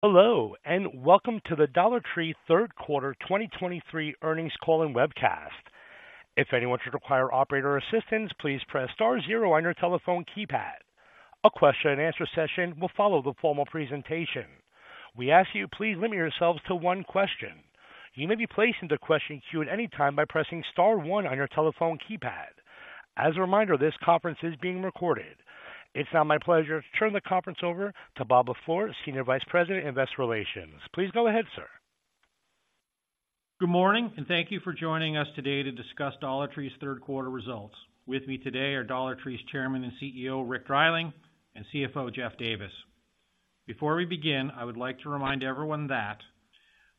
Hello, and welcome to the Dollar Tree third quarter 2023 earnings call and webcast. If anyone should require operator assistance, please press star zero on your telephone keypad. A question-and-answer session will follow the formal presentation. We ask you, please limit yourselves to one question. You may be placed into the question queue at any time by pressing star one on your telephone keypad. As a reminder, this conference is being recorded. It's now my pleasure to turn the conference over to Bob LaFleur, Senior Vice President, Investor Relations. Please go ahead, sir. Good morning, and thank you for joining us today to discuss Dollar Tree's third quarter results. With me today are Dollar Tree's Chairman and CEO, Rick Dreiling, and CFO, Jeff Davis. Before we begin, I would like to remind everyone that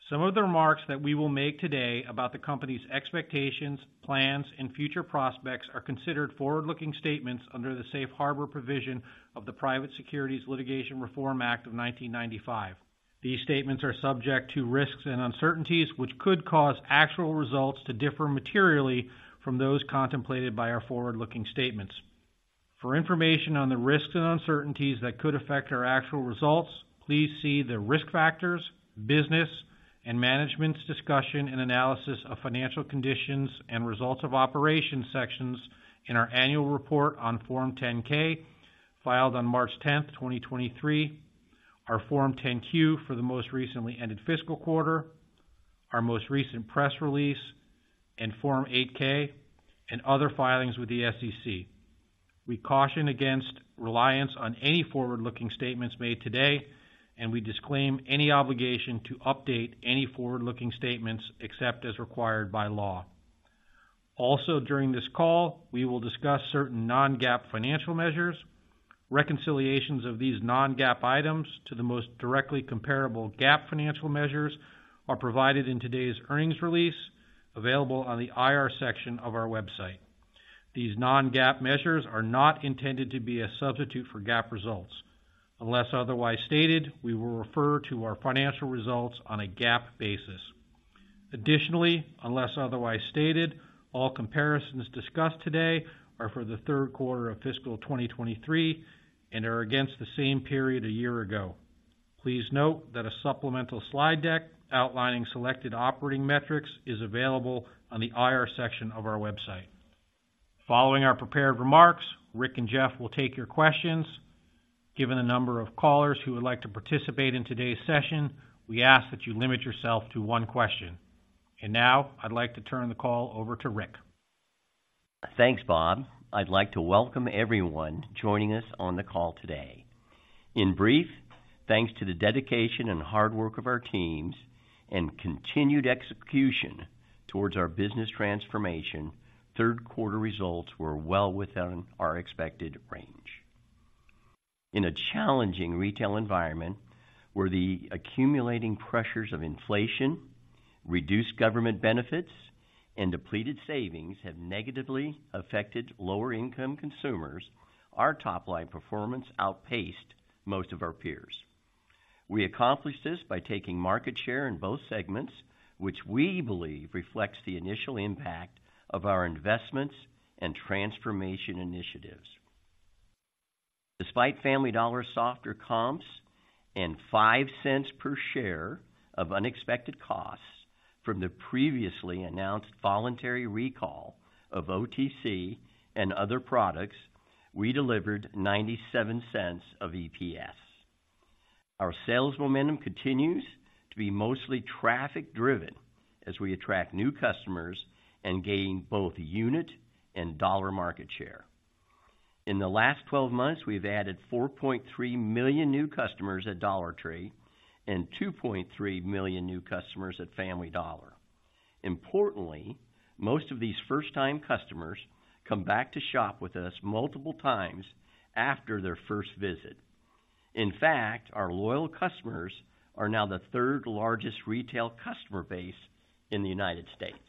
some of the remarks that we will make today about the company's expectations, plans, and future prospects are considered forward-looking statements under the Safe Harbor provision of the Private Securities Litigation Reform Act of 1995. These statements are subject to risks and uncertainties, which could cause actual results to differ materially from those contemplated by our forward-looking statements. For information on the risks and uncertainties that could affect our actual results, please see the Risk Factors, Business and Management's Discussion and Analysis of Financial Conditions and Results of Operations sections in our annual report on Form 10-K, filed on March 10th, 2023, our Form 10-Q for the most recently ended fiscal quarter, our most recent press release, and Form 8-K and other filings with the SEC. We caution against reliance on any forward-looking statements made today, and we disclaim any obligation to update any forward-looking statements except as required by law. Also, during this call, we will discuss certain non-GAAP financial measures. Reconciliations of these non-GAAP items to the most directly comparable GAAP financial measures are provided in today's earnings release, available on the IR section of our website. These non-GAAP measures are not intended to be a substitute for GAAP results. Unless otherwise stated, we will refer to our financial results on a GAAP basis. Additionally, unless otherwise stated, all comparisons discussed today are for the third quarter of fiscal 2023 and are against the same period a year ago. Please note that a supplemental slide deck outlining selected operating metrics is available on the IR section of our website. Following our prepared remarks, Rick and Jeff will take your questions. Given the number of callers who would like to participate in today's session, we ask that you limit yourself to one question. Now I'd like to turn the call over to Rick. Thanks, Bob. I'd like to welcome everyone joining us on the call today. In brief, thanks to the dedication and hard work of our teams and continued execution towards our business transformation, third quarter results were well within our expected range. In a challenging retail environment, where the accumulating pressures of inflation, reduced government benefits, and depleted savings have negatively affected lower-income consumers, our top-line performance outpaced most of our peers. We accomplished this by taking market share in both segments, which we believe reflects the initial impact of our investments and transformation initiatives. Despite Family Dollar's softer comps and $0.05 per share of unexpected costs from the previously announced voluntary recall of OTC and other products, we delivered $0.97 of EPS. Our sales momentum continues to be mostly traffic-driven as we attract new customers and gain both unit and dollar market share. In the last 12 months, we've added 4.3 million new customers at Dollar Tree and 2.3 million new customers at Family Dollar. Importantly, most of these first-time customers come back to shop with us multiple times after their first visit. In fact, our loyal customers are now the third largest retail customer base in the United States.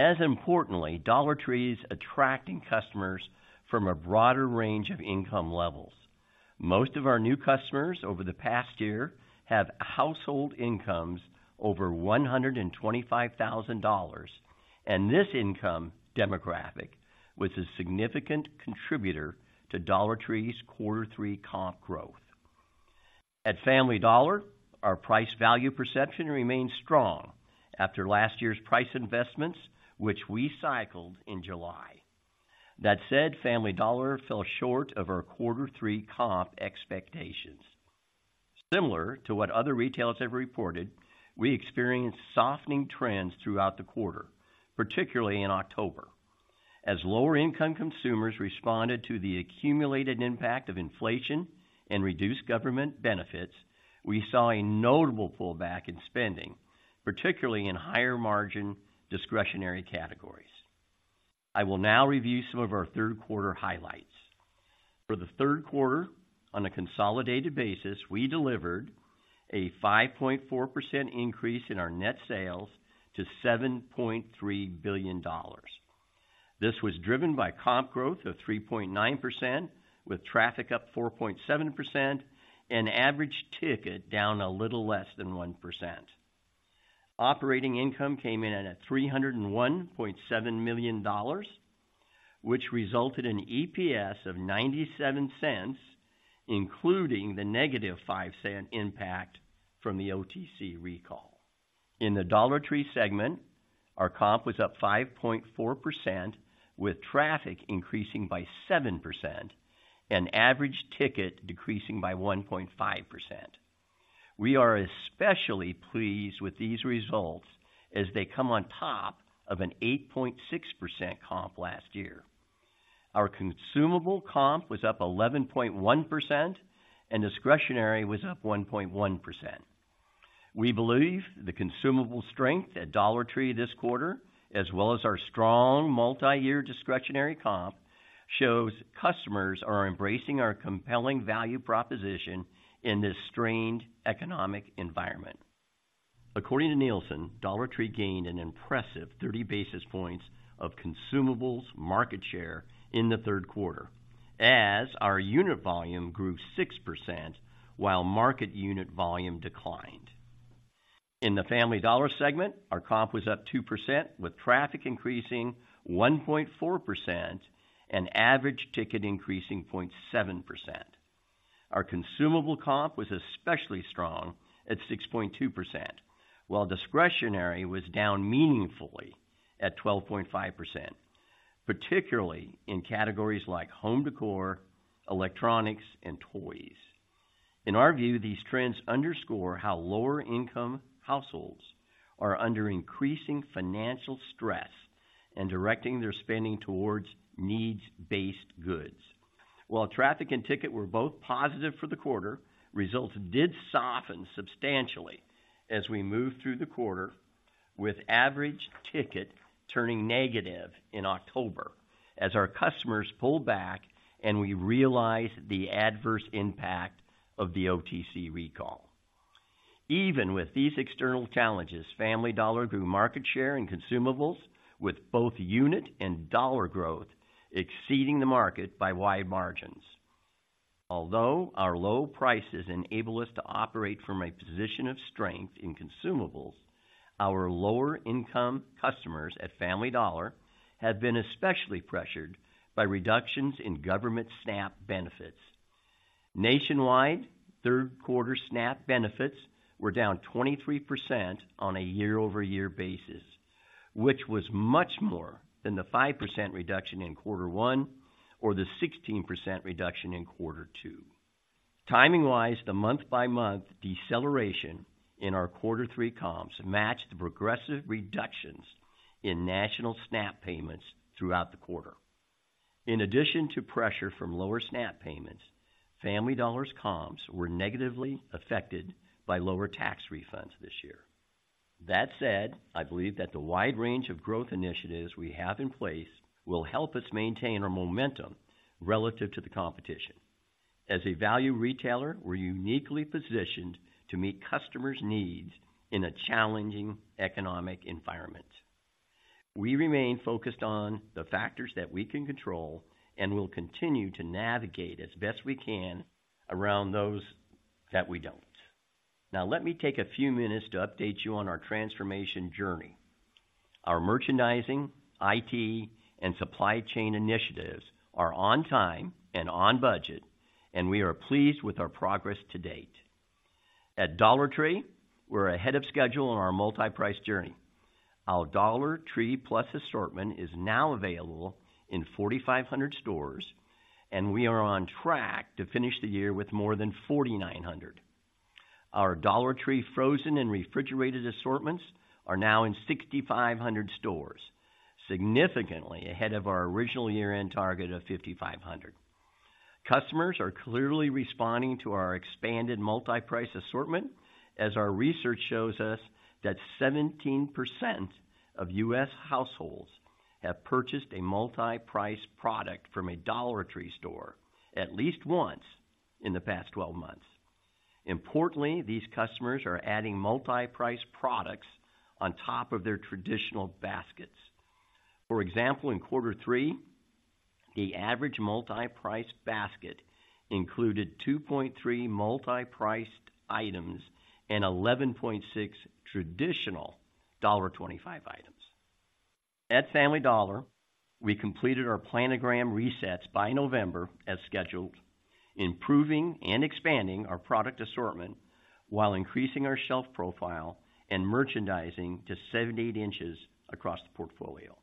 As importantly, Dollar Tree's attracting customers from a broader range of income levels. Most of our new customers over the past year have household incomes over $125,000, and this income demographic was a significant contributor to Dollar Tree's quarter three comp growth. At Family Dollar, our price value perception remains strong after last year's price investments, which we cycled in July. That said, Family Dollar fell short of our quarter three comp expectations. Similar to what other retailers have reported, we experienced softening trends throughout the quarter, particularly in October. As lower-income consumers responded to the accumulated impact of inflation and reduced government benefits, we saw a notable pullback in spending, particularly in higher-margin, discretionary categories. I will now review some of our third quarter highlights. For the third quarter, on a consolidated basis, we delivered a 5.4% increase in our net sales to $7.3 billion. This was driven by comp growth of 3.9%, with traffic up 4.7% and average ticket down a little less than 1%. Operating income came in at $301.7 million, which resulted in EPS of $0.97, including the -$0.05 impact from the OTC recall. In the Dollar Tree segment, our comp was up 5.4%, with traffic increasing by 7% and average ticket decreasing by 1.5%. We are especially pleased with these results as they come on top of an 8.6% comp last year. Our consumable comp was up 11.1% and discretionary was up 1.1%. We believe the consumable strength at Dollar Tree this quarter, as well as our strong multi-year discretionary comp, shows customers are embracing our compelling value proposition in this strained economic environment. According to Nielsen, Dollar Tree gained an impressive 30 basis points of consumables market share in the third quarter, as our unit volume grew 6% while market unit volume declined. In the Family Dollar segment, our comp was up 2%, with traffic increasing 1.4% and average ticket increasing 0.7%. Our consumable comp was especially strong at 6.2%, while discretionary was down meaningfully at 12.5%, particularly in categories like home decor, electronics, and toys. In our view, these trends underscore how lower-income households are under increasing financial stress and directing their spending towards needs-based goods. While traffic and ticket were both positive for the quarter, results did soften substantially as we moved through the quarter, with average ticket turning negative in October as our customers pulled back and we realized the adverse impact of the OTC recall. Even with these external challenges, Family Dollar grew market share and consumables, with both unit and dollar growth exceeding the market by wide margins. Although our low prices enable us to operate from a position of strength in consumables, our lower-income customers at Family Dollar have been especially pressured by reductions in government SNAP benefits. Nationwide, third quarter SNAP benefits were down 23% on a year-over-year basis, which was much more than the 5% reduction in quarter one or the 16% reduction in quarter two. Timing-wise, the month-by-month deceleration in our quarter three comps matched the progressive reductions in national SNAP payments throughout the quarter. In addition to pressure from lower SNAP payments, Family Dollar's comps were negatively affected by lower tax refunds this year. That said, I believe that the wide range of growth initiatives we have in place will help us maintain our momentum relative to the competition. As a value retailer, we're uniquely positioned to meet customers' needs in a challenging economic environment. We remain focused on the factors that we can control and will continue to navigate as best we can around those that we don't. Now let me take a few minutes to update you on our transformation journey. Our merchandising, IT, and supply chain initiatives are on time and on budget, and we are pleased with our progress to date. At Dollar Tree, we're ahead of schedule on our multi-price journey. Our Dollar Tree Plus assortment is now available in 4,500 stores, and we are on track to finish the year with more than 4,900. Our Dollar Tree frozen and refrigerated assortments are now in 6,500 stores, significantly ahead of our original year-end target of 5,500. Customers are clearly responding to our expanded multi-price assortment, as our research shows us that 17% of U.S. households have purchased a multi-price product from a Dollar Tree store at least once in the past 12 months. Importantly, these customers are adding multi-price products on top of their traditional baskets. For example, in quarter three, the average multi-price basket included 2.3 multi-priced items and 11.6 traditional $1.25 items. At Family Dollar, we completed our planogram resets by November as scheduled, improving and expanding our product assortment while increasing our shelf profile and merchandising to 78-in across the portfolio.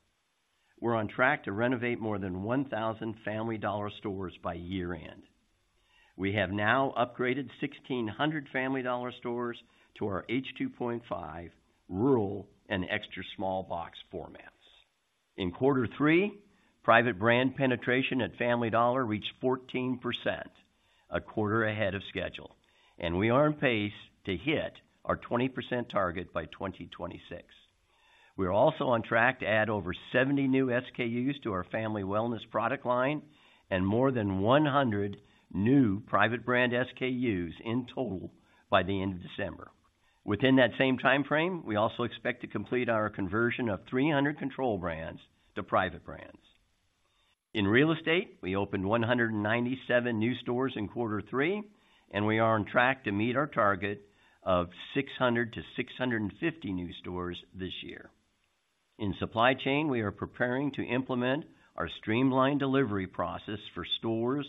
We're on track to renovate more than 1,000 Family Dollar stores by year-end. We have now upgraded 1,600 Family Dollar stores to our H2.5 rural and extra small box formats. In quarter three, private brand penetration at Family Dollar reached 14%, a quarter ahead of schedule, and we are on pace to hit our 20% target by 2026. We are also on track to add over 70 new SKUs to our Family Wellness product line and more than 100 new private brand SKUs in total by the end of December. Within that same time frame, we also expect to complete our conversion of 300 control brands to private brands. In real estate, we opened 197 new stores in quarter three, and we are on track to meet our target of 600-650 new stores this year. In supply chain, we are preparing to implement our streamlined delivery process for stores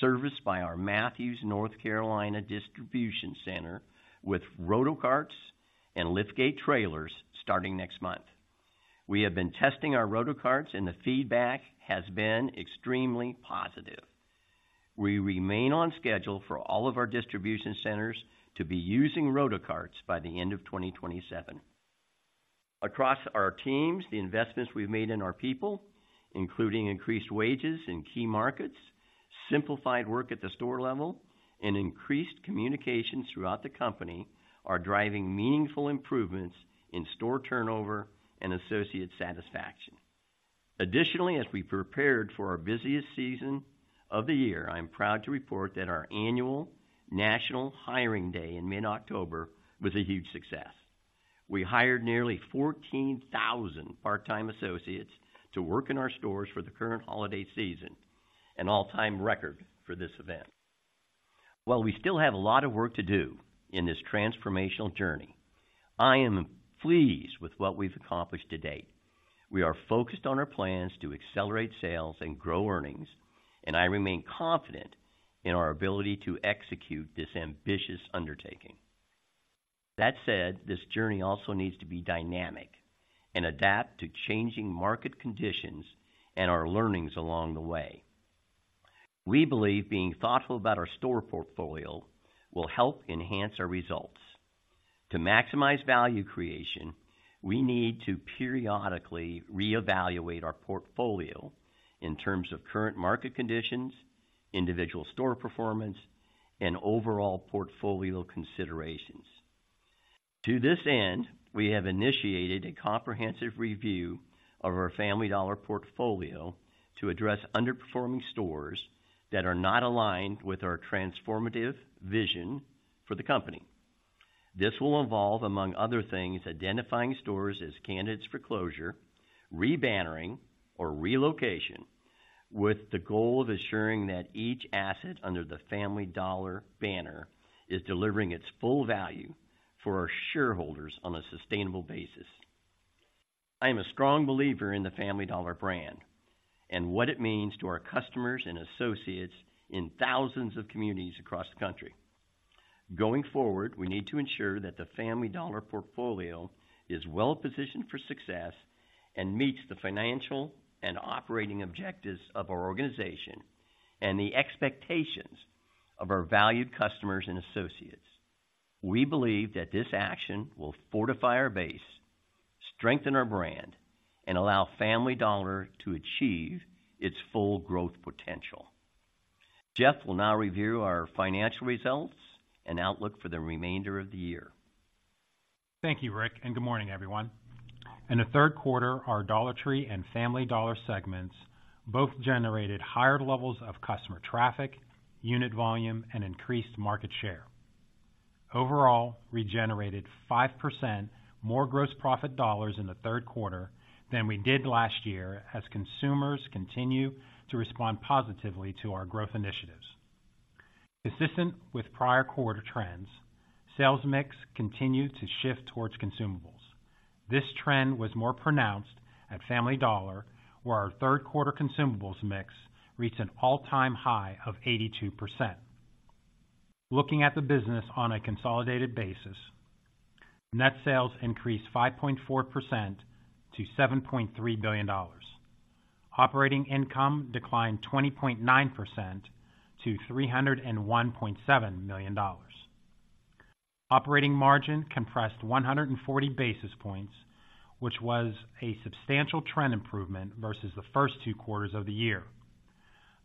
serviced by our Matthews, North Carolina, distribution center, with Rotocarts and liftgate trailers starting next month. We have been testing our Rotocarts, and the feedback has been extremely positive. We remain on schedule for all of our distribution centers to be using Rotocarts by the end of 2027. Across our teams, the investments we've made in our people, including increased wages in key markets, simplified work at the store level, and increased communication throughout the company, are driving meaningful improvements in store turnover and associate satisfaction. Additionally, as we prepared for our busiest season of the year, I'm proud to report that our annual National Hiring Day in mid-October was a huge success. We hired nearly 14,000 part-time associates to work in our stores for the current holiday season, an all-time record for this event. While we still have a lot of work to do in this transformational journey, I am pleased with what we've accomplished to date. We are focused on our plans to accelerate sales and grow earnings, and I remain confident in our ability to execute this ambitious undertaking. That said, this journey also needs to be dynamic and adapt to changing market conditions and our learnings along the way. We believe being thoughtful about our store portfolio will help enhance our results. To maximize value creation, we need to periodically reevaluate our portfolio in terms of current market conditions, individual store performance, and overall portfolio considerations. To this end, we have initiated a comprehensive review of our Family Dollar portfolio to address underperforming stores that are not aligned with our transformative vision for the company. This will involve, among other things, identifying stores as candidates for closure, re-bannering, or relocation, with the goal of ensuring that each asset under the Family Dollar banner is delivering its full value for our shareholders on a sustainable basis. I am a strong believer in the Family Dollar brand and what it means to our customers and associates in thousands of communities across the country. Going forward, we need to ensure that the Family Dollar portfolio is well-positioned for success and meets the financial and operating objectives of our organization and the expectations of our valued customers and associates. We believe that this action will fortify our base, strengthen our brand, and allow Family Dollar to achieve its full growth potential. Jeff will now review our financial results and outlook for the remainder of the year. Thank you, Rick, and good morning, everyone. In the third quarter, our Dollar Tree and Family Dollar segments both generated higher levels of customer traffic, unit volume, and increased market share. Overall, we generated 5% more gross profit dollars in the third quarter than we did last year, as consumers continue to respond positively to our growth initiatives. Consistent with prior quarter trends, sales mix continued to shift towards consumables. This trend was more pronounced at Family Dollar, where our third quarter consumables mix reached an all-time high of 82%. Looking at the business on a consolidated basis, net sales increased 5.4% to $7.3 billion. Operating income declined 20.9% to $301.7 million. Operating margin compressed 140 basis points, which was a substantial trend improvement versus the first two quarters of the year.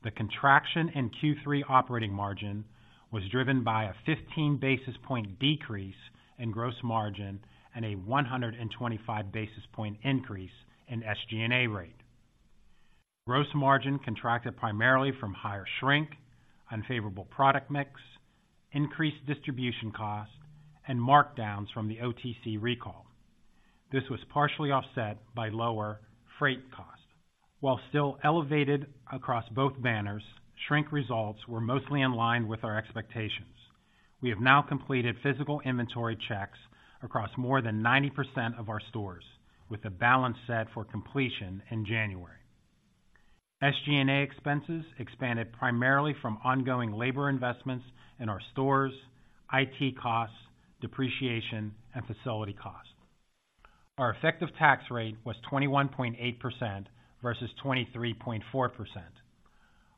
The contraction in Q3 operating margin was driven by a 15 basis point decrease in gross margin and a 125 basis point increase in SG&A rate. Gross margin contracted primarily from higher shrink, unfavorable product mix, increased distribution costs, and markdowns from the OTC recall. This was partially offset by lower freight costs. While still elevated across both banners, shrink results were mostly in line with our expectations. We have now completed physical inventory checks across more than 90% of our stores, with a balanced set for completion in January. SG&A expenses expanded primarily from ongoing labor investments in our stores, IT costs, depreciation, and facility costs. Our effective tax rate was 21.8% versus 23.4%.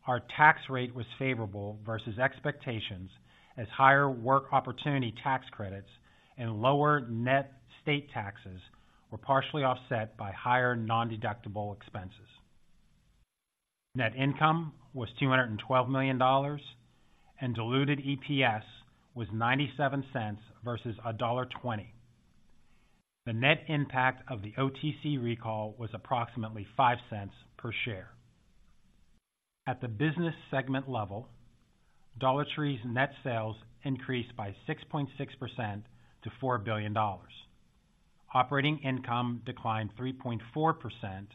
Our tax rate was favorable versus expectations, as higher Work Opportunity Tax Credits and lower net state taxes were partially offset by higher nondeductible expenses. Net income was $212 million, and diluted EPS was $0.97 versus $1.20. The net impact of the OTC recall was approximately $0.05 per share. At the business segment level, Dollar Tree's net sales increased by 6.6% to $4 billion. Operating income declined 3.4%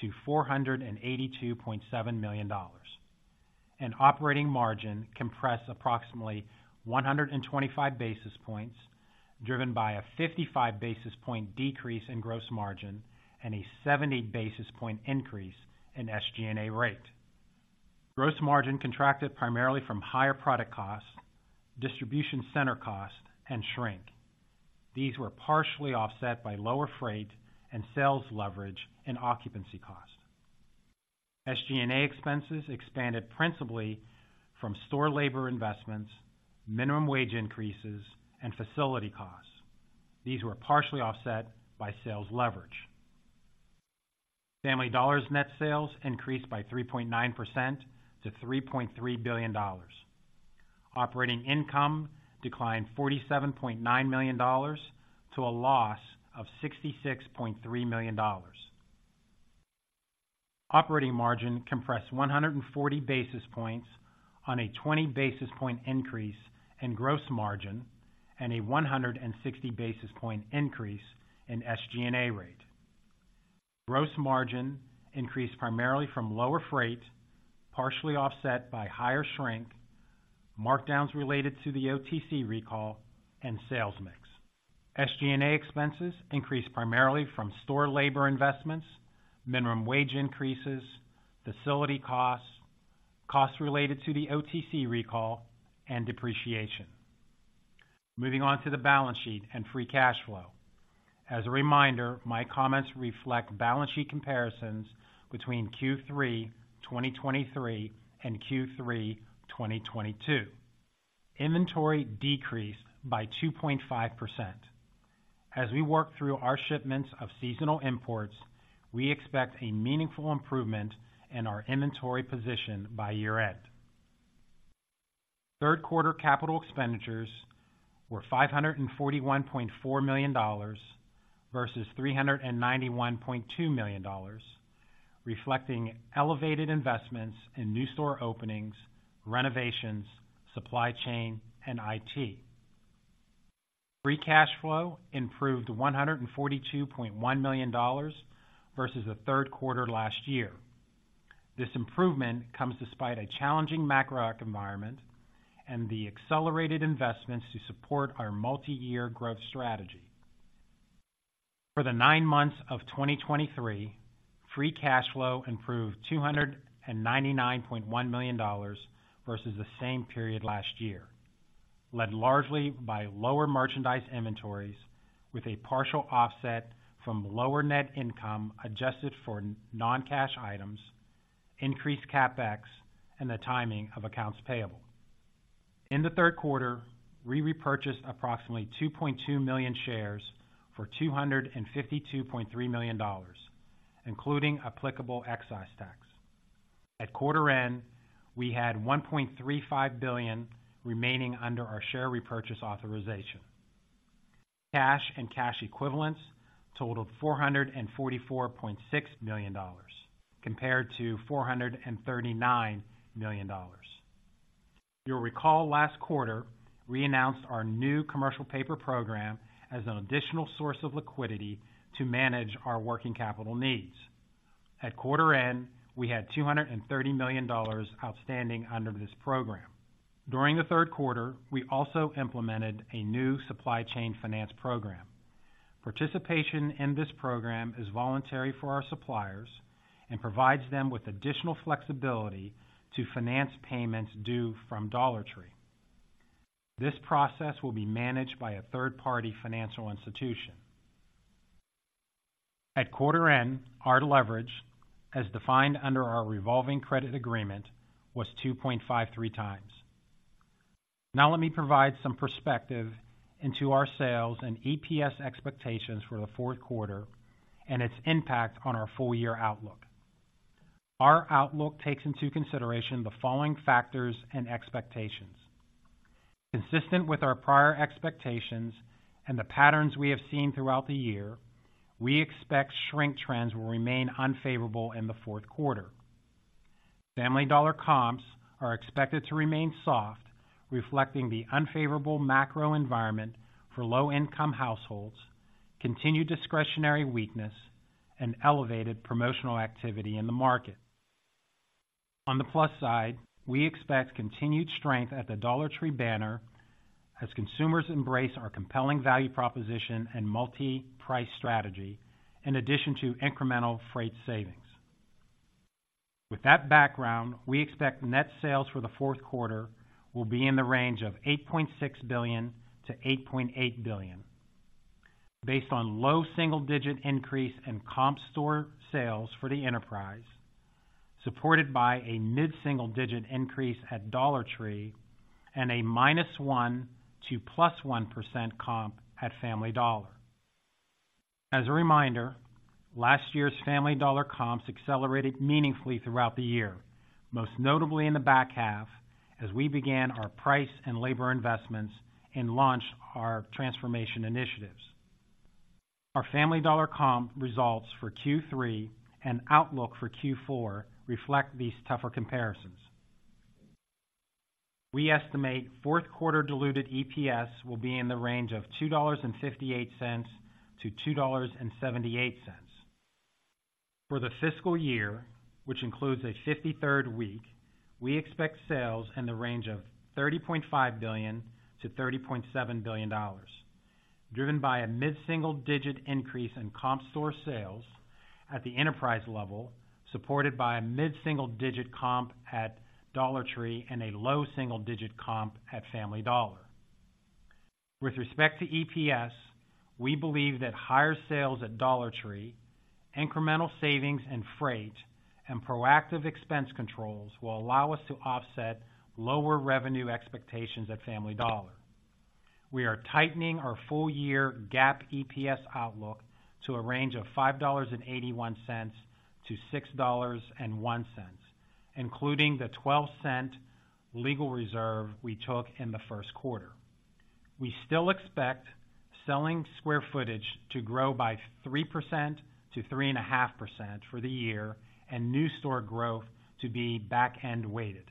to $482.7 million, and operating margin compressed approximately 125 basis points, driven by a 55 basis point decrease in gross margin and a 70 basis point increase in SG&A rate. Gross margin contracted primarily from higher product costs, distribution center costs, and shrink. These were partially offset by lower freight and sales leverage and occupancy costs. SG&A expenses expanded principally from store labor investments, minimum wage increases, and facility costs. These were partially offset by sales leverage. Family Dollar's net sales increased by 3.9% to $3.3 billion. Operating income declined $47.9 million, to a loss of $66.3 million. Operating margin compressed 140 basis points on a 20 basis point increase in gross margin and a 160 basis point increase in SG&A rate. Gross margin increased primarily from lower freight, partially offset by higher shrink, markdowns related to the OTC recall, and sales mix. SG&A expenses increased primarily from store labor investments, minimum wage increases, facility costs, costs related to the OTC recall, and depreciation. Moving on to the balance sheet and free cash flow. As a reminder, my comments reflect balance sheet comparisons between Q3 2023 and Q3 2022. Inventory decreased by 2.5%. As we work through our shipments of seasonal imports, we expect a meaningful improvement in our inventory position by year-end. Third quarter capital expenditures were $541.4 million versus $391.2 million, reflecting elevated investments in new store openings, renovations, supply chain, and IT. Free cash flow improved $142.1 million versus the third quarter last year. This improvement comes despite a challenging macro environment and the accelerated investments to support our multi-year growth strategy. For the nine months of 2023, free cash flow improved $299.1 million versus the same period last year, led largely by lower merchandise inventories, with a partial offset from lower net income adjusted for non-cash items, increased CapEx and the timing of accounts payable. In the third quarter, we repurchased approximately 2.2 million shares for $252.3 million, including applicable excise tax. At quarter end, we had $1.35 billion remaining under our share repurchase authorization. Cash and cash equivalents totaled $444.6 million, compared to $439 million. You'll recall last quarter, we announced our new commercial paper program as an additional source of liquidity to manage our working capital needs. At quarter end, we had $230 million outstanding under this program. During the third quarter, we also implemented a new supply chain finance program. Participation in this program is voluntary for our suppliers and provides them with additional flexibility to finance payments due from Dollar Tree. This process will be managed by a third-party financial institution. At quarter end, our leverage, as defined under our revolving credit agreement, was 2.53x. Now let me provide some perspective into our sales and EPS expectations for the fourth quarter and its impact on our full year outlook. Our outlook takes into consideration the following factors and expectations. Consistent with our prior expectations and the patterns we have seen throughout the year, we expect shrink trends will remain unfavorable in the fourth quarter. Family Dollar comps are expected to remain soft, reflecting the unfavorable macro environment for low-income households, continued discretionary weakness, and elevated promotional activity in the market. On the plus side, we expect continued strength at the Dollar Tree banner as consumers embrace our compelling value proposition and multi-price strategy in addition to incremental freight savings. With that background, we expect net sales for the fourth quarter will be in the range of $8.6 billion-$8.8 billion, based on low single-digit increase in comp store sales for the enterprise, supported by a mid-single digit increase at Dollar Tree and a -1% to +1% comp at Family Dollar. As a reminder, last year's Family Dollar comps accelerated meaningfully throughout the year, most notably in the back half, as we began our price and labor investments and launched our transformation initiatives. Our Family Dollar comp results for Q3 and outlook for Q4 reflect these tougher comparisons. We estimate fourth quarter diluted EPS will be in the range of $2.58-$2.78. For the fiscal year, which includes a 53rd week, we expect sales in the range of $30.5 billion-$30.7 billion, driven by a mid-single digit increase in comp store sales at the enterprise level, supported by a mid-single digit comp at Dollar Tree and a low single digit comp at Family Dollar. With respect to EPS, we believe that higher sales at Dollar Tree, incremental savings and freight, and proactive expense controls will allow us to offset lower revenue expectations at Family Dollar. We are tightening our full year GAAP EPS outlook to a range of $5.81-$6.01, including the $0.12 legal reserve we took in the first quarter. We still expect selling square footage to grow by 3%-3.5% for the year and new store growth to be back-end weighted.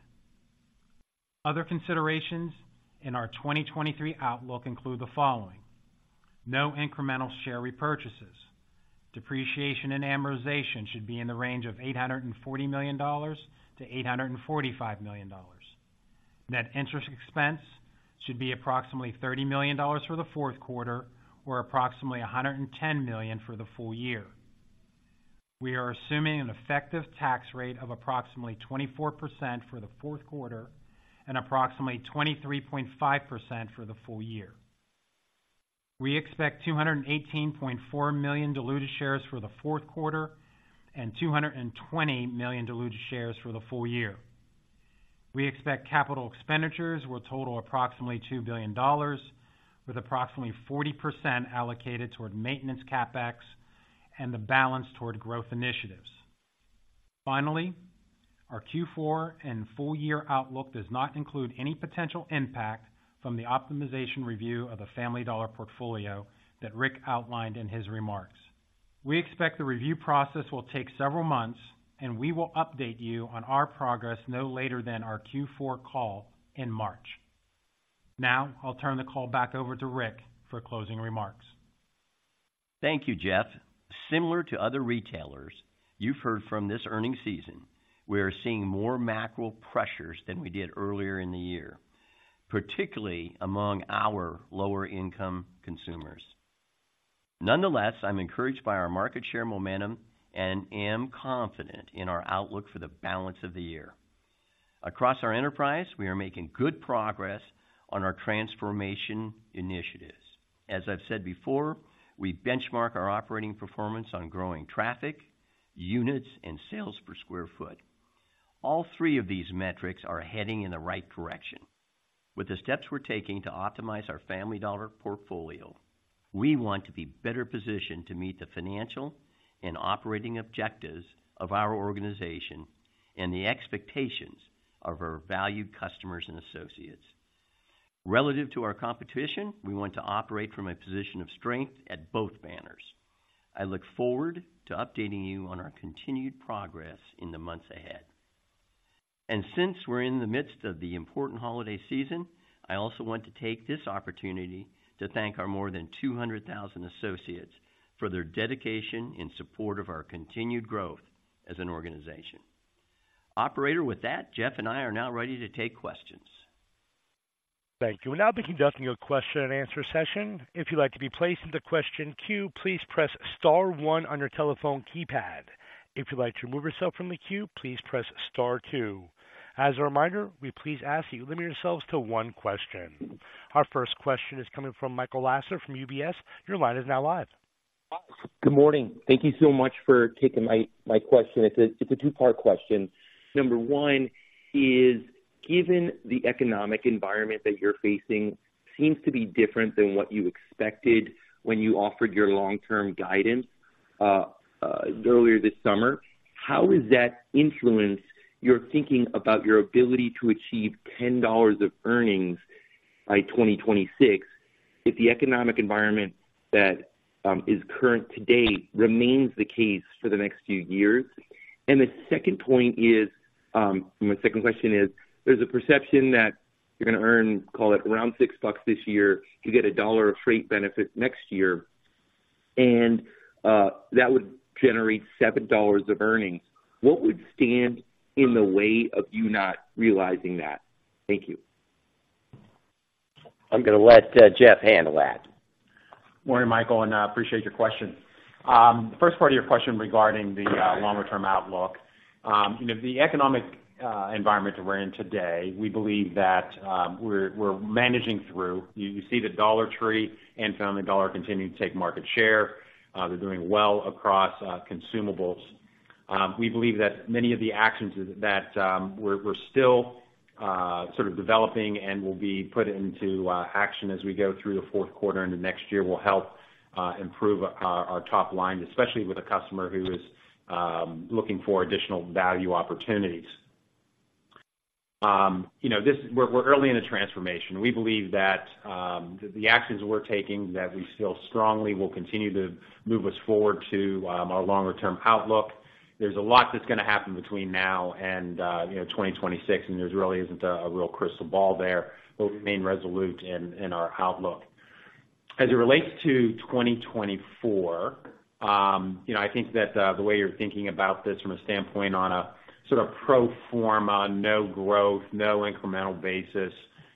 Other considerations in our 2023 outlook include the following: no incremental share repurchases. Depreciation and amortization should be in the range of $840 million-$845 million. Net interest expense should be approximately $30 million for the fourth quarter or approximately $110 million for the full year. We are assuming an effective tax rate of approximately 24% for the fourth quarter and approximately 23.5% for the full year. We expect 218.4 million diluted shares for the fourth quarter and 220 million diluted shares for the full year. We expect capital expenditures will total approximately $2 billion, with approximately 40% allocated toward maintenance CapEx and the balance toward growth initiatives. Finally, our Q4 and full year outlook does not include any potential impact from the optimization review of the Family Dollar portfolio that Rick outlined in his remarks. We expect the review process will take several months, and we will update you on our progress no later than our Q4 call in March. Now I'll turn the call back over to Rick for closing remarks. Thank you, Jeff. Similar to other retailers, you've heard from this earnings season, we are seeing more macro pressures than we did earlier in the year, particularly among our lower-income consumers. Nonetheless, I'm encouraged by our market share momentum and am confident in our outlook for the balance of the year. Across our enterprise, we are making good progress on our transformation initiatives. As I've said before, we benchmark our operating performance on growing traffic, units, and sales per square foot. All three of these metrics are heading in the right direction. With the steps we're taking to optimize our Family Dollar portfolio, we want to be better positioned to meet the financial and operating objectives of our organization and the expectations of our valued customers and associates. Relative to our competition, we want to operate from a position of strength at both banners. I look forward to updating you on our continued progress in the months ahead. Since we're in the midst of the important holiday season, I also want to take this opportunity to thank our more than 200,000 associates for their dedication in support of our continued growth as an organization. Operator, with that, Jeff and I are now ready to take questions. Thank you. We'll now be conducting a question-and-answer session. If you'd like to be placed in the question queue, please press star one on your telephone keypad. If you'd like to remove yourself from the queue, please press star two. As a reminder, we please ask that you limit yourselves to one question. Our first question is coming from Michael Lasser from UBS. Your line is now live. Good morning. Thank you so much for taking my, my question. It's a, it's a two-part question. Number one is, given the economic environment that you're facing seems to be different than what you expected when you offered your long-term guidance earlier this summer, how does that influence your thinking about your ability to achieve $10 of earnings by 2026, if the economic environment that is current today remains the case for the next few years? And the second point is, my second question is, there's a perception that you're going to earn, call it, around $6 this year. You get $1 of freight benefit next year, and that would generate $7 of earnings. What would stand in the way of you not realizing that? Thank you. I'm going to let Jeff handle that. Morning, Michael, and I appreciate your question. The first part of your question regarding the longer-term outlook. You know, the economic environment that we're in today, we believe that we're managing through. You see that Dollar Tree and Family Dollar continuing to take market share. They're doing well across consumables. We believe that many of the actions is that we're still sort of developing and will be put into action as we go through the fourth quarter and the next year will help improve our top line, especially with a customer who is looking for additional value opportunities. You know, this—we're early in the transformation. We believe that the actions we're taking, that we feel strongly will continue to move us forward to our longer-term outlook. There's a lot that's going to happen between now and, you know, 2026, and there really isn't a real crystal ball there, but we remain resolute in our outlook. ...As it relates to 2024, you know, I think that the way you're thinking about this from a standpoint on a sort of pro forma, no growth, no incremental basis,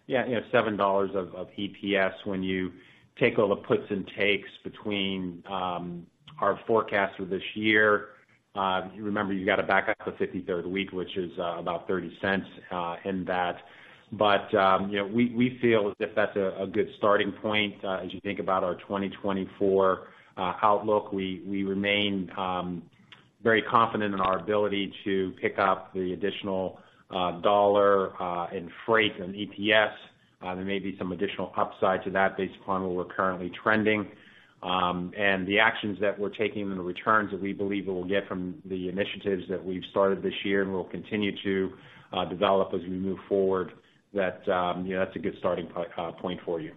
yeah, you know, $7 of EPS when you take all the puts and takes between our forecast for this year. You remember, you got to back out the 53rd week, which is about $0.30 in that. But, you know, we feel as if that's a good starting point. As you think about our 2024 outlook, we remain very confident in our ability to pick up the additional $1 in freight and EPS. There may be some additional upside to that based upon where we're currently trending. the actions that we're taking and the returns that we believe we'll get from the initiatives that we've started this year and will continue to develop as we move forward, that you know, that's a good starting point for you.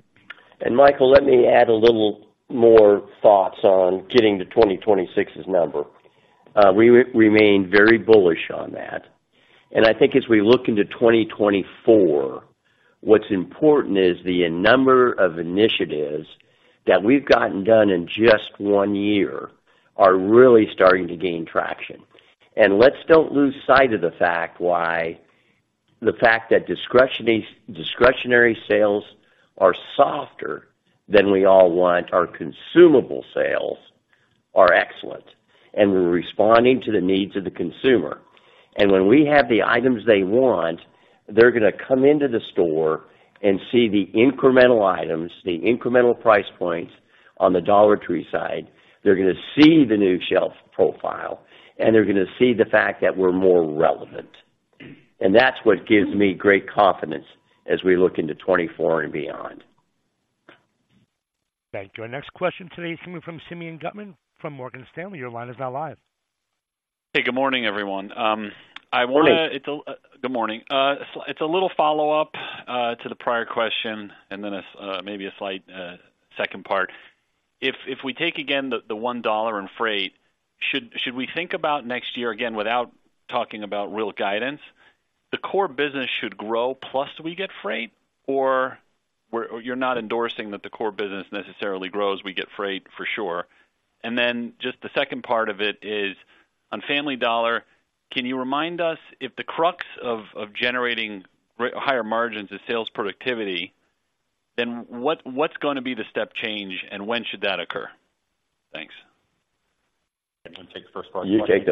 And Michael, let me add a little more thoughts on getting to 2026's number. We remain very bullish on that, and I think as we look into 2024, what's important is the number of initiatives that we've gotten done in just one year are really starting to gain traction. And let's don't lose sight of the fact that discretionary sales are softer than we all want. Our consumable sales are excellent, and we're responding to the needs of the consumer. And when we have the items they want, they're gonna come into the store and see the incremental items, the incremental price points on the Dollar Tree side. They're gonna see the new shelf profile, and they're gonna see the fact that we're more relevant. And that's what gives me great confidence as we look into 2024 and beyond. Thank you. Our next question today is coming from Simeon Gutman from Morgan Stanley. Your line is now live. Hey, good morning, everyone. I wanna- Morning. Good morning. It's a little follow-up to the prior question and then maybe a slight second part. If we take again the $1 in freight, should we think about next year, again, without talking about real guidance, the core business should grow plus we get freight, or we're, you're not endorsing that the core business necessarily grows, we get freight for sure? And then just the second part of it is, on Family Dollar, can you remind us, if the crux of generating higher margins is sales productivity, then what's gonna be the step change, and when should that occur? Thanks. You wanna take the first part? You take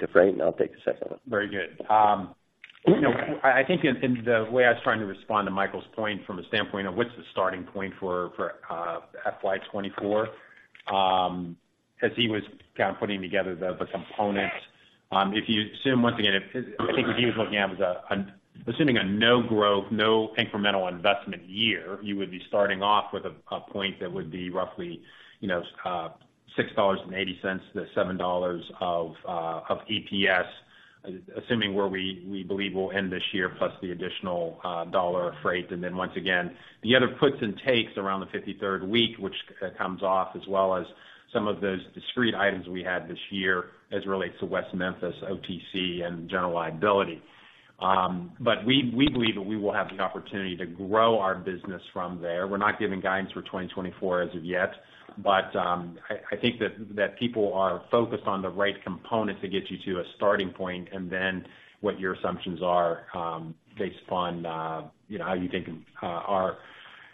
the freight, and I'll take the second one. Very good. You know, I think in the way I was trying to respond to Michael's point from a standpoint of what's the starting point for FY 2024, as he was kind of putting together the components, if you assume, once again, I think what he was looking at was assuming a no growth, no incremental investment year, you would be starting off with a point that would be roughly, you know, $6.80-$7 of EPS, assuming where we believe we'll end this year, plus the additional $1 of freight. And then once again, the other puts and takes around the 53rd week, which comes off, as well as some of those discrete items we had this year as it relates to West Memphis, OTC, and general liability. But we believe that we will have the opportunity to grow our business from there. We're not giving guidance for 2024 as of yet, but I think that people are focused on the right component to get you to a starting point and then what your assumptions are, based upon you know, how you think our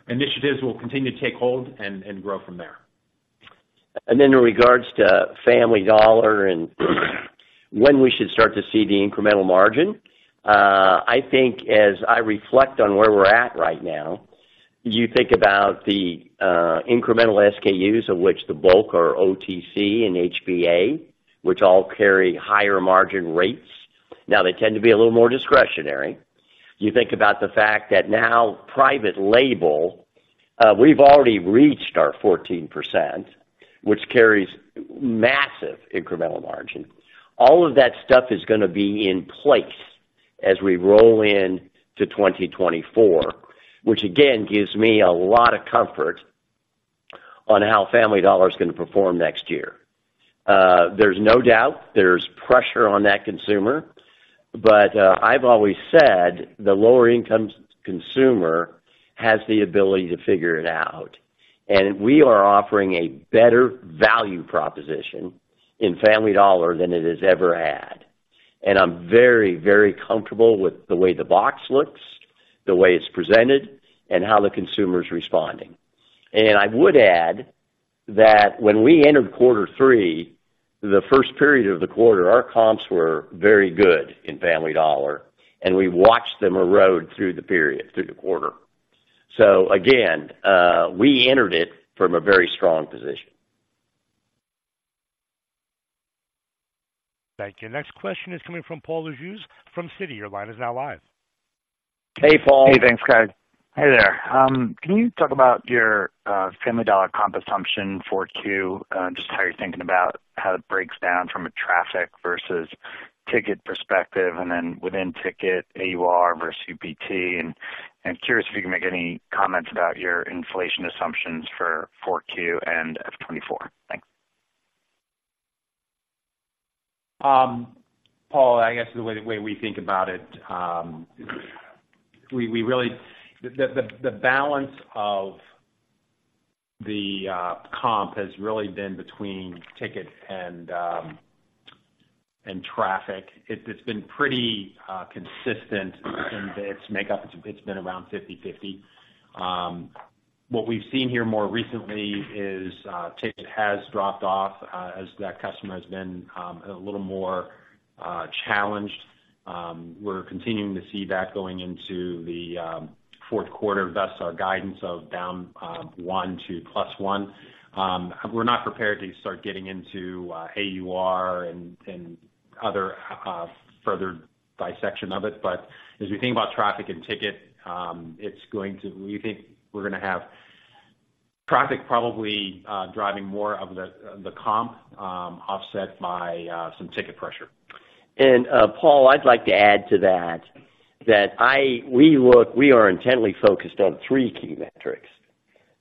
initiatives will continue to take hold and grow from there. And then in regards to Family Dollar and when we should start to see the incremental margin, I think as I reflect on where we're at right now, you think about the incremental SKUs, of which the bulk are OTC and HBA, which all carry higher margin rates. Now, they tend to be a little more discretionary. You think about the fact that now private label, we've already reached our 14%, which carries massive incremental margin. All of that stuff is gonna be in place as we roll into 2024, which again, gives me a lot of comfort on how Family Dollar is gonna perform next year. There's no doubt there's pressure on that consumer, but, I've always said the lower income consumer has the ability to figure it out, and we are offering a better value proposition in Family Dollar than it has ever had. And I'm very, very comfortable with the way the box looks, the way it's presented, and how the consumer is responding. And I would add that when we entered quarter three, the first period of the quarter, our comps were very good in Family Dollar, and we watched them erode through the period, through the quarter. So again, we entered it from a very strong position. Thank you. Next question is coming from Paul Lejuez from Citi. Your line is now live. Hey, Paul. Hey, thanks, guys. Hey there. Can you talk about your Family Dollar comp assumption 4Q, just how you're thinking about how it breaks down from a traffic versus ticket perspective and then within ticket, AUR versus UPT? And, I'm curious if you can make any comments about your inflation assumptions for 4Q and FY 2024. Thanks.... Paul, I guess the way we think about it, we really—the balance of the comp has really been between ticket and traffic. It's been pretty consistent in its makeup. It's been around 50/50. What we've seen here more recently is ticket has dropped off as that customer has been a little more challenged. We're continuing to see that going into the fourth quarter, thus our guidance of down 1 to +1. We're not prepared to start getting into AUR and other further bisection of it. But as we think about traffic and ticket, it's going to... We think we're gonna have traffic probably driving more of the comp, offset by some ticket pressure. And, Paul, I'd like to add to that, that we are intently focused on three key metrics: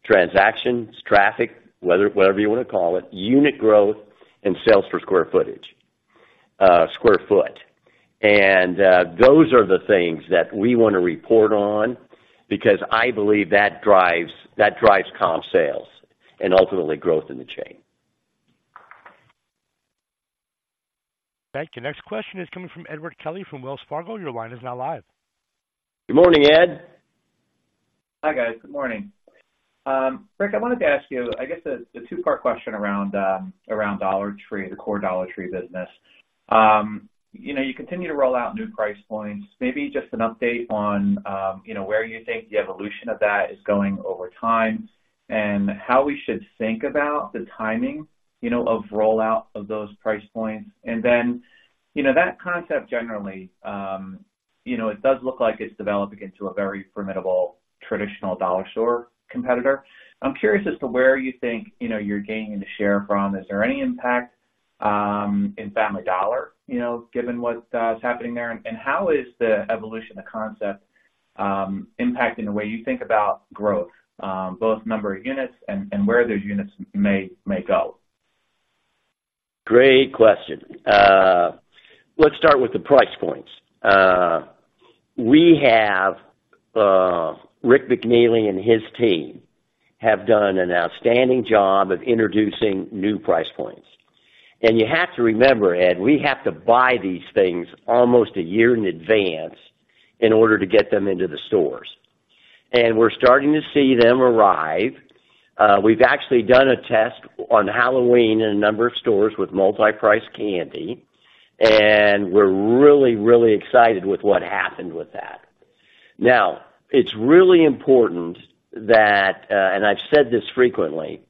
transactions, traffic, whether whatever you wanna call it, unit growth, and sales for square footage, square foot. And, those are the things that we wanna report on because I believe that drives comp sales and ultimately growth in the chain. Thank you. Next question is coming from Edward Kelly from Wells Fargo. Your line is now live. Good morning, Ed. Hi, guys. Good morning. Rick, I wanted to ask you, I guess, a two-part question around Dollar Tree, the core Dollar Tree business. You know, you continue to roll out new price points. Maybe just an update on, you know, where you think the evolution of that is going over time, and how we should think about the timing, you know, of rollout of those price points. And then, you know, that concept generally, you know, it does look like it's developing into a very formidable traditional dollar store competitor. I'm curious as to where you think, you know, you're gaining the share from. Is there any impact in Family Dollar, you know, given what is happening there? How is the evolution of concept impacting the way you think about growth, both number of units and where those units may go? Great question. Let's start with the price points. We have, Rick McNeely and his team have done an outstanding job of introducing new price points. And you have to remember, Ed, we have to buy these things almost a year in advance in order to get them into the stores. And we're starting to see them arrive. We've actually done a test on Halloween in a number of stores with multi-price candy, and we're really, really excited with what happened with that. Now, it's really important that, and I've said this frequently,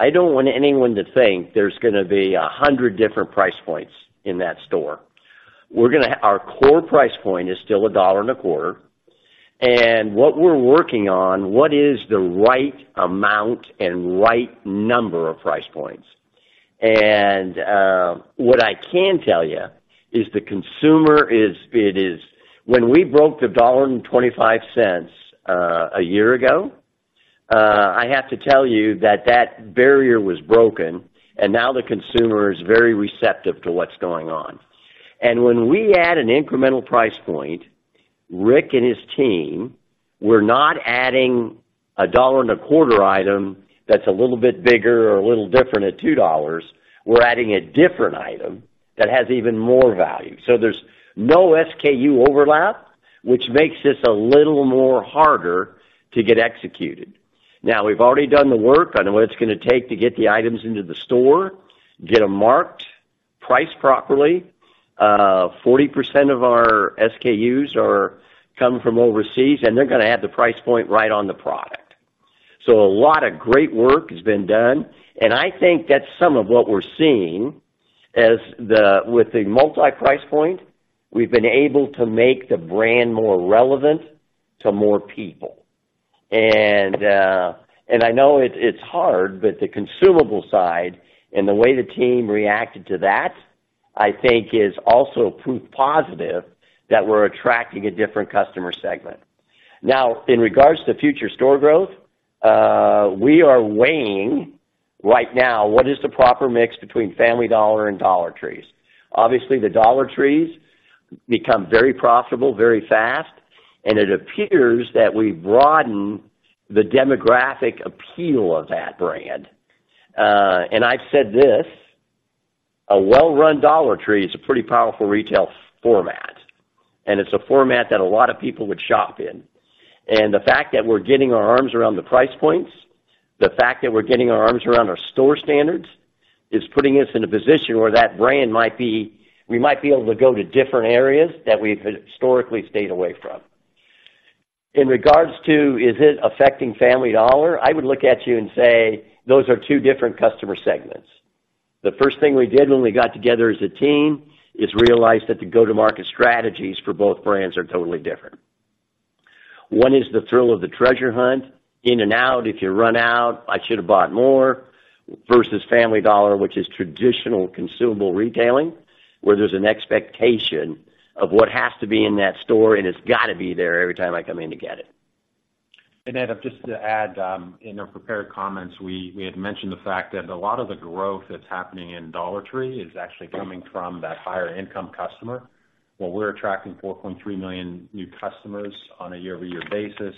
I don't want anyone to think there's gonna be 100 different price points in that store. We're gonna—our core price point is still $1.25, and what we're working on, what is the right amount and right number of price points. What I can tell you is the consumer is. When we broke the $1.25 a year ago, I have to tell you that that barrier was broken, and now the consumer is very receptive to what's going on. When we add an incremental price point, Rick and his team were not adding a $1.25 item that's a little bit bigger or a little different at $2, we're adding a different item that has even more value. So there's no SKU overlap, which makes this a little more harder to get executed. Now, we've already done the work on what it's gonna take to get the items into the store, get them marked, priced properly. 40% of our SKUs come from overseas, and they're gonna have the price point right on the product. So a lot of great work has been done, and I think that's some of what we're seeing as with the multi-price point, we've been able to make the brand more relevant to more people. And, and I know it, it's hard, but the consumable side and the way the team reacted to that, I think is also proof positive that we're attracting a different customer segment. Now, in regards to future store growth, we are weighing right now what is the proper mix between Family Dollar and Dollar Trees? Obviously, the Dollar Trees become very profitable, very fast, and it appears that we broaden the demographic appeal of that brand. And I've said this, a well-run Dollar Tree is a pretty powerful retail format, and it's a format that a lot of people would shop in. The fact that we're getting our arms around the price points, the fact that we're getting our arms around our store standards, is putting us in a position where that brand might be, we might be able to go to different areas that we've historically stayed away from. In regards to, is it affecting Family Dollar? I would look at you and say, those are two different customer segments. The first thing we did when we got together as a team, is realize that the go-to-market strategies for both brands are totally different. One is the thrill of the treasure hunt, in and out, if you run out, I should have bought more, versus Family Dollar, which is traditional consumable retailing, where there's an expectation of what has to be in that store, and it's gotta be there every time I come in to get it.... And Ed, just to add, in our prepared comments, we, we had mentioned the fact that a lot of the growth that's happening in Dollar Tree is actually coming from that higher income customer. While we're attracting 4.3 million new customers on a year-over-year basis,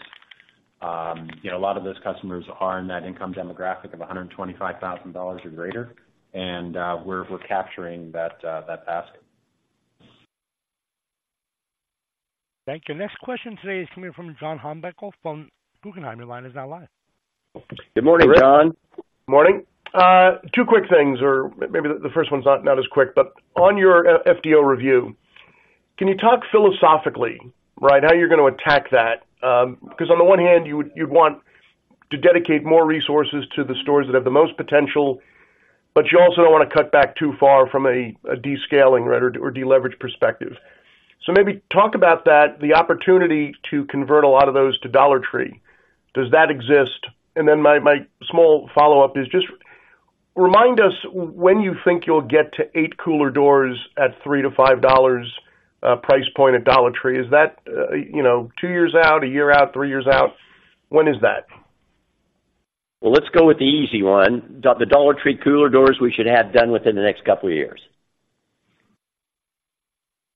you know, a lot of those customers are in that income demographic of $125,000 or greater, and, we're, we're capturing that, that basket. Thank you. Next question today is coming from John Heinbockel from Guggenheim. Your line is now live. Good morning, John. Morning. Two quick things, or maybe the first one's not as quick, but on your FDO review, can you talk philosophically, right, how you're gonna attack that? Because on the one hand, you'd want to dedicate more resources to the stores that have the most potential, but you also don't want to cut back too far from a downscaling or deleveraging perspective. So maybe talk about that, the opportunity to convert a lot of those to Dollar Tree. Does that exist? And then my small follow-up is just remind us when you think you'll get to eight cooler doors at $3-$5 price point at Dollar Tree. Is that, you know, two years out, a year out, three years out? When is that? Well, let's go with the easy one. The Dollar Tree cooler doors we should have done within the next couple of years.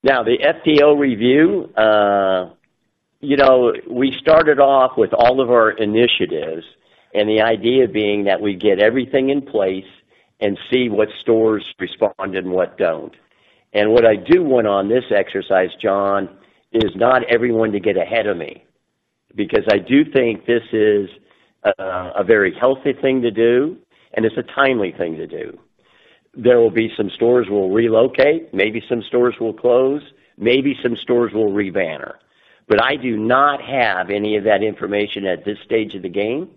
Now, the FDO review, you know, we started off with all of our initiatives, and the idea being that we get everything in place and see what stores respond and what don't. And what I do want on this exercise, John, is not everyone to get ahead of me, because I do think this is a very healthy thing to do, and it's a timely thing to do. There will be some stores we'll relocate, maybe some stores will close, maybe some stores will re-banner, but I do not have any of that information at this stage of the game.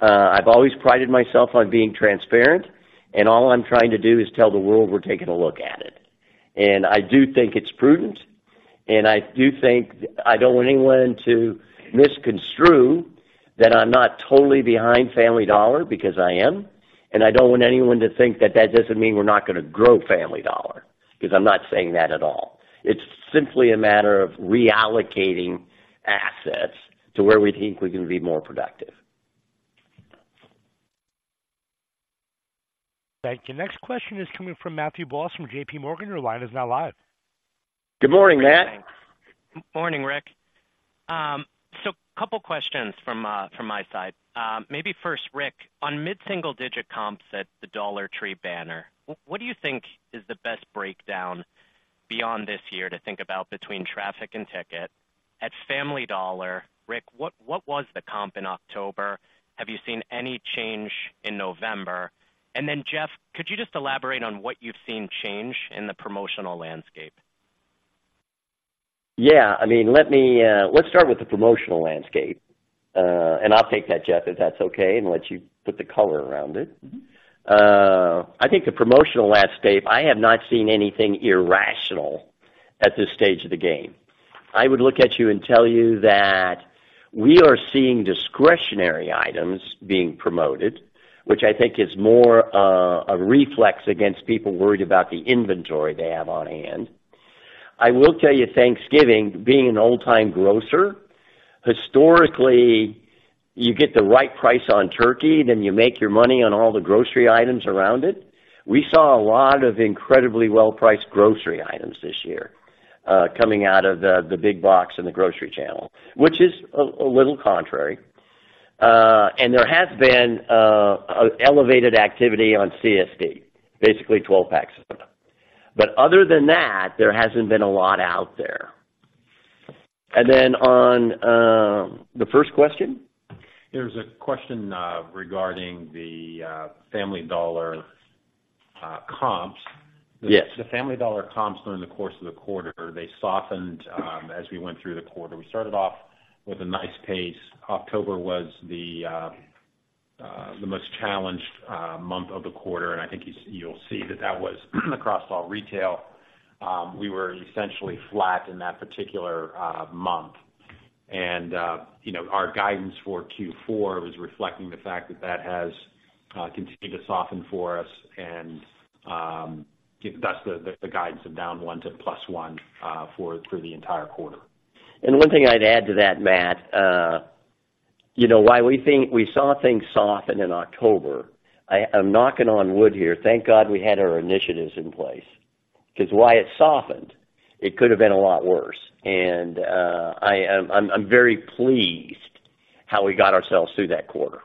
I've always prided myself on being transparent, and all I'm trying to do is tell the world we're taking a look at it. I do think it's prudent, and I do think, I don't want anyone to misconstrue that I'm not totally behind Family Dollar, because I am. I don't want anyone to think that that doesn't mean we're not gonna grow Family Dollar, because I'm not saying that at all. It's simply a matter of reallocating assets to where we think we can be more productive. Thank you. Next question is coming from Matthew Boss, from JPMorgan. Your line is now live. Good morning, Matt. Morning, Rick. So a couple questions from, from my side. Maybe first, Rick, on mid-single digit comps at the Dollar Tree banner, what do you think is the best breakdown beyond this year to think about between traffic and ticket? At Family Dollar, Rick, what was the comp in October? Have you seen any change in November? And then, Jeff, could you just elaborate on what you've seen change in the promotional landscape? Yeah, I mean, let me, let's start with the promotional landscape. And I'll take that, Jeff, if that's okay, and let you put the color around it. Mm-hmm. I think the promotional landscape, I have not seen anything irrational at this stage of the game. I would look at you and tell you that we are seeing discretionary items being promoted, which I think is more, a reflex against people worried about the inventory they have on hand. I will tell you, Thanksgiving, being an old-time grocer, historically, you get the right price on turkey, then you make your money on all the grocery items around it. We saw a lot of incredibly well-priced grocery items this year, coming out of the big box and the grocery channel, which is a little contrary. And there has been elevated activity on CSD, basically 12-packs. But other than that, there hasn't been a lot out there. And then, on the first question? There's a question regarding the Family Dollar comps. Yes. The Family Dollar comps during the course of the quarter, they softened, as we went through the quarter. We started off with a nice pace. October was the, the most challenged, month of the quarter, and I think you'll see that that was across all retail. We were essentially flat in that particular, month. And, you know, our guidance for Q4 was reflecting the fact that that has continued to soften for us and, thus the, the guidance of down 1 to +1, for, for the entire quarter. And one thing I'd add to that, Matt, you know, while we think we saw things soften in October, I'm knocking on wood here. Thank God we had our initiatives in place, because while it softened, it could have been a lot worse. And, I very pleased how we got ourselves through that quarter.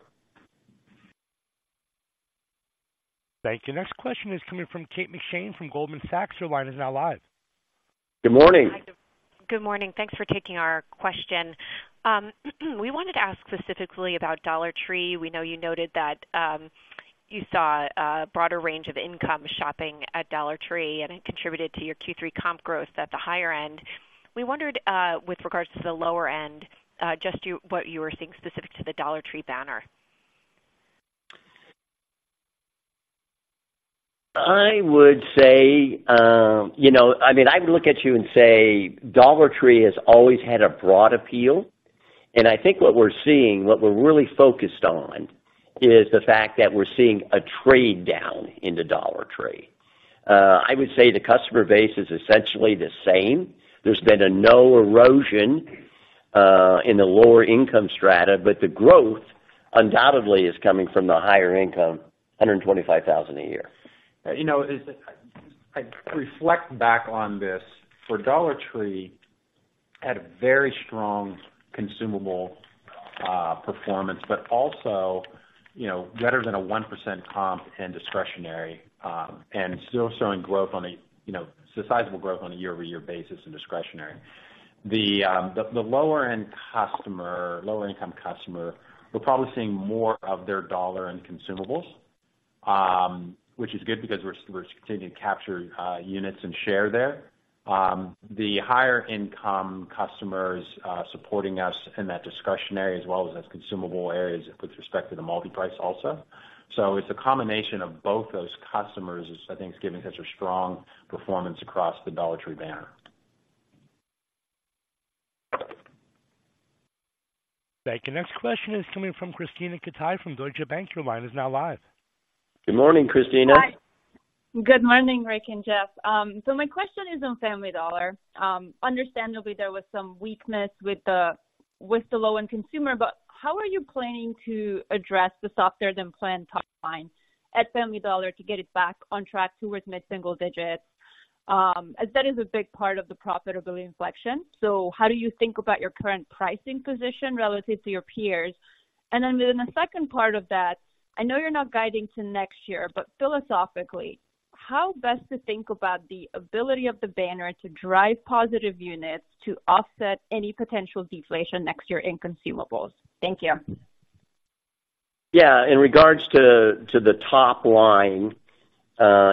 Thank you. Next question is coming from Kate McShane, from Goldman Sachs. Your line is now live. Good morning. Good morning. Thanks for taking our question. We wanted to ask specifically about Dollar Tree. We know you noted that you saw a broader range of income shopping at Dollar Tree, and it contributed to your Q3 comp growth at the higher end. We wondered, with regards to the lower end, just what you were seeing specific to the Dollar Tree banner. I would say, you know... I mean, I'd look at you and say, Dollar Tree has always had a broad appeal, and I think what we're seeing, what we're really focused on, is the fact that we're seeing a trade-down into Dollar Tree.... I would say the customer base is essentially the same. There's been no erosion in the lower income strata, but the growth undoubtedly is coming from the higher income, $125,000 a year. You know, as I reflect back on this, for Dollar Tree, had a very strong consumable performance, but also, you know, better than a 1% comp and discretionary, and still showing growth on a, you know, sizable growth on a year-over-year basis in discretionary. The, the lower-end customer, lower-income customer, we're probably seeing more of their dollar in consumables, which is good because we're, we're continuing to capture units and share there. The higher-income customers, supporting us in that discretionary as well as those consumable areas with respect to the multi-price also. So it's a combination of both those customers is, I think, is giving such a strong performance across the Dollar Tree banner. Thank you. Next question is coming from Krisztina Katai, from Deutsche Bank. Your line is now live. Good morning, Krisztina. Hi. Good morning, Rick and Jeff. So my question is on Family Dollar. Understandably, there was some weakness with the low-end consumer, but how are you planning to address the softer-than-planned top line at Family Dollar to get it back on track towards mid-single digits? That is a big part of the profitability inflection, so how do you think about your current pricing position relative to your peers? And then in the second part of that, I know you're not guiding to next year, but philosophically, how best to think about the ability of the banner to drive positive units to offset any potential deflation next year in consumables? Thank you. Yeah. In regards to the top line,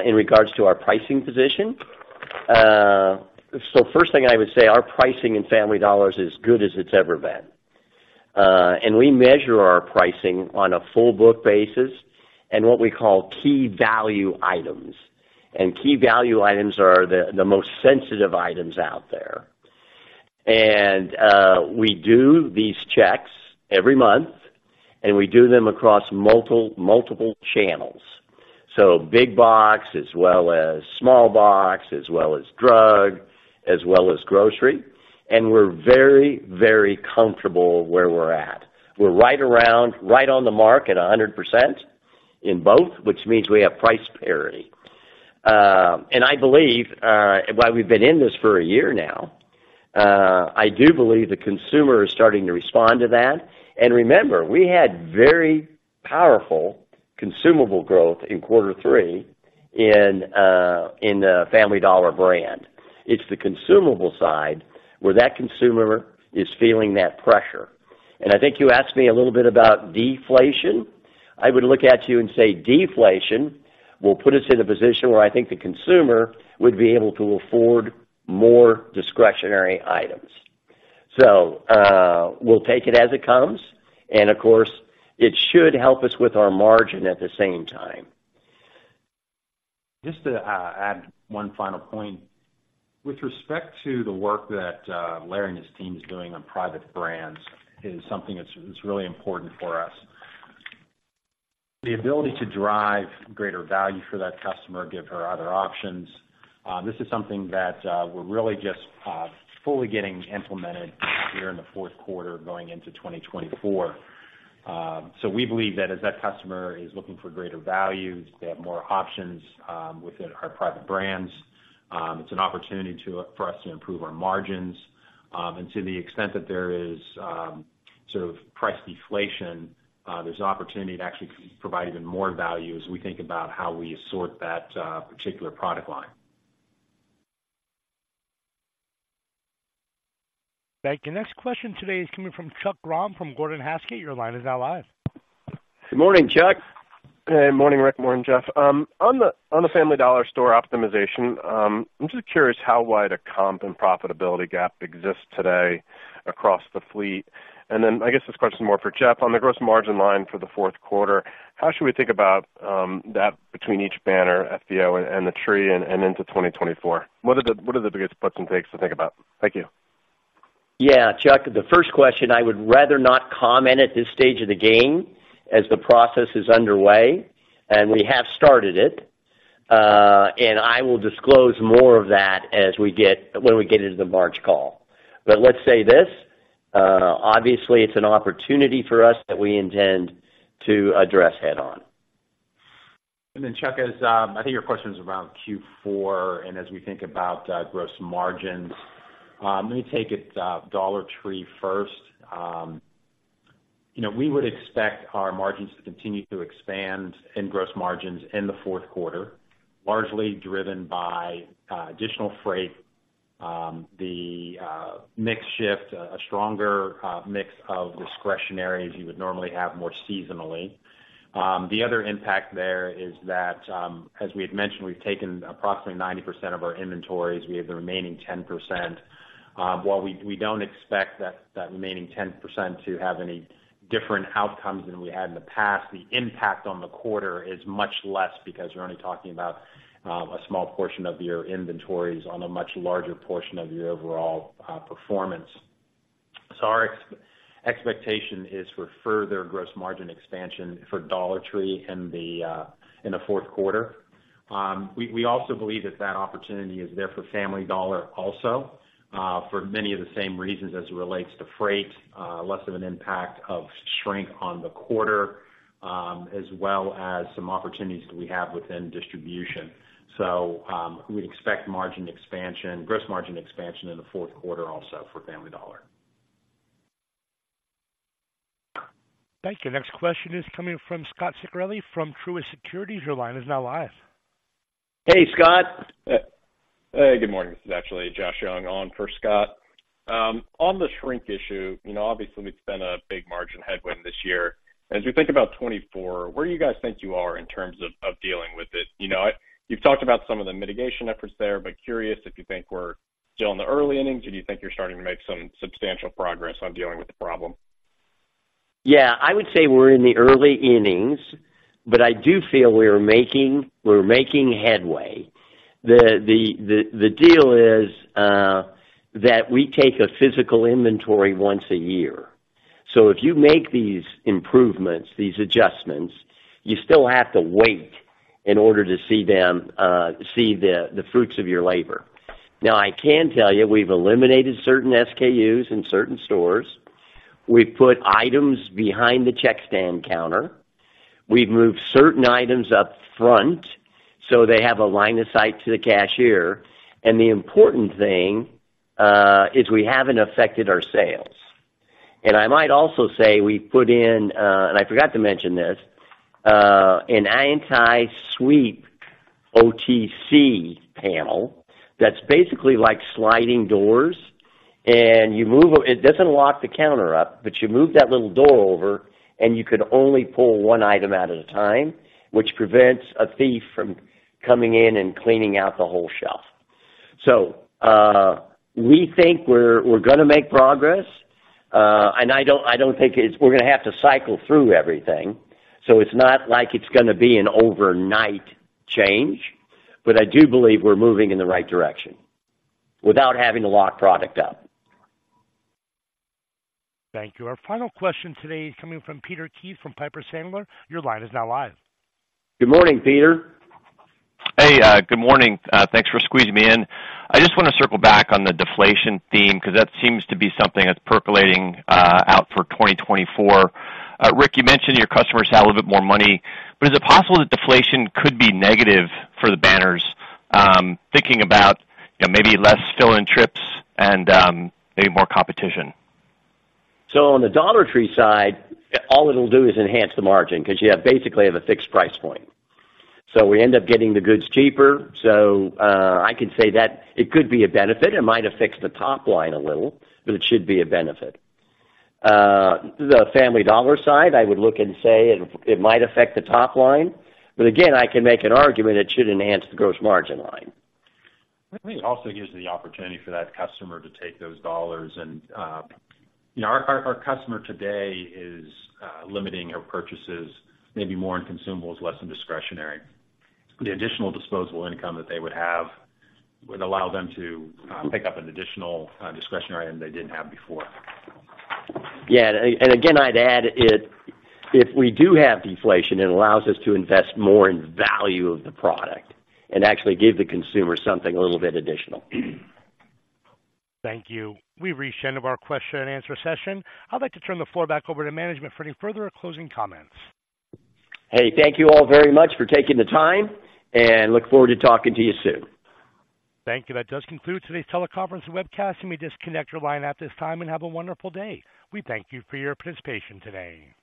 in regards to our pricing position, so first thing I would say, our pricing in Family Dollar is as good as it's ever been. And we measure our pricing on a full basket basis and what we call key value items. And key value items are the most sensitive items out there. And we do these checks every month, and we do them across multiple channels. So big box, as well as small box, as well as drug, as well as grocery, and we're very, very comfortable where we're at. We're right around, right on the mark at 100% in both, which means we have price parity. And I believe, while we've been in this for a year now, I do believe the consumer is starting to respond to that. Remember, we had very powerful consumable growth in quarter three in the Family Dollar brand. It's the consumable side where that consumer is feeling that pressure. I think you asked me a little bit about deflation. I would look at you and say deflation will put us in a position where I think the consumer would be able to afford more discretionary items. So, we'll take it as it comes, and of course, it should help us with our margin at the same time. Just to add one final point. With respect to the work that Larry and his team is doing on private brands, is something that's really important for us. The ability to drive greater value for that customer, give her other options, this is something that we're really just fully getting implemented here in the fourth quarter, going into 2024. So we believe that as that customer is looking for greater value, they have more options within our private brands. It's an opportunity for us to improve our margins. And to the extent that there is sort of price deflation, there's opportunity to actually provide even more value as we think about how we sort that particular product line. Thank you. Next question today is coming from Chuck Grom, from Gordon Haskett. Your line is now live. Good morning, Chuck. Good morning, Rick. Morning, Jeff. On the Family Dollar store optimization, I'm just curious how wide a comp and profitability gap exists today across the fleet. And then, I guess this question is more for Jeff. On the gross margin line for the fourth quarter, how should we think about that between each banner, FDO and the Tree, and into 2024? What are the biggest puts and takes to think about? Thank you. Yeah, Chuck, the first question, I would rather not comment at this stage of the game as the process is underway, and we have started it. And I will disclose more of that as we get into the March call. But let's say this, obviously, it's an opportunity for us that we intend to address head-on. And then, Chuck, as, I think your question is around Q4, and as we think about, gross margins, let me take it, Dollar Tree first. You know, we would expect our margins to continue to expand in gross margins in the fourth quarter, largely driven by, additional freight, the, mix shift, a stronger, mix of discretionary as you would normally have more seasonally. The other impact there is that, as we had mentioned, we've taken approximately 90% of our inventories. We have the remaining 10%. While we, we don't expect that, that remaining 10% to have any different outcomes than we had in the past, the impact on the quarter is much less because you're only talking about, a small portion of your inventories on a much larger portion of your overall, performance. So our expectation is for further gross margin expansion for Dollar Tree in the fourth quarter. We also believe that that opportunity is there for Family Dollar also, for many of the same reasons as it relates to freight, less of an impact of shrink on the quarter, as well as some opportunities that we have within distribution. So we'd expect margin expansion, gross margin expansion in the fourth quarter also for Family Dollar. Thank you. Next question is coming from Scot Ciccarelli from Truist Securities. Your line is now live. Hey, Scot. Hey, good morning. This is actually Josh Young on for Scot. On the shrink issue, you know, obviously, it's been a big margin headwind this year. As you think about 2024, where do you guys think you are in terms of dealing with it? You know, you've talked about some of the mitigation efforts there, but curious if you think we're still in the early innings, or do you think you're starting to make some substantial progress on dealing with the problem? Yeah, I would say we're in the early innings, but I do feel we're making, we're making headway. The deal is that we take a physical inventory once a year. So if you make these improvements, these adjustments, you still have to wait in order to see them, see the fruits of your labor. Now, I can tell you, we've eliminated certain SKUs in certain stores. We've put items behind the checkstand counter. We've moved certain items up front, so they have a line of sight to the cashier. And the important thing is we haven't affected our sales. And I might also say, we put in, and I forgot to mention this, an anti-sweep OTC panel that's basically like sliding doors, and you move... It doesn't lock the counter up, but you move that little door over, and you can only pull one item at a time, which prevents a thief from coming in and cleaning out the whole shelf. So, we think we're gonna make progress, and I don't think we're gonna have to cycle through everything, so it's not like it's gonna be an overnight change, but I do believe we're moving in the right direction without having to lock product up. Thank you. Our final question today is coming from Peter Keith from Piper Sandler. Your line is now live. Good morning, Peter. Hey, good morning. Thanks for squeezing me in. I just want to circle back on the deflation theme, 'cause that seems to be something that's percolating out for 2024. Rick, you mentioned your customers have a little bit more money, but is it possible that deflation could be negative for the banners? Thinking about, you know, maybe less fill-in trips and maybe more competition. On the Dollar Tree side, all it'll do is enhance the margin because you have basically the fixed price point. So we end up getting the goods cheaper, so, I can say that it could be a benefit. It might affect the top line a little, but it should be a benefit. The Family Dollar side, I would look and say it might affect the top line, but again, I can make an argument it should enhance the gross margin line. I think it also gives the opportunity for that customer to take those dollars and, you know, our customer today is limiting her purchases, maybe more in consumables, less in discretionary. The additional disposable income that they would have would allow them to pick up an additional discretionary item they didn't have before. Yeah, and again, I'd add it. If we do have deflation, it allows us to invest more in value of the product and actually give the consumer something a little bit additional. Thank you. We've reached the end of our question and answer session. I'd like to turn the floor back over to management for any further closing comments. Hey, thank you all very much for taking the time, and look forward to talking to you soon. Thank you. That does conclude today's teleconference webcast, and we disconnect your line at this time, and have a wonderful day. We thank you for your participation today.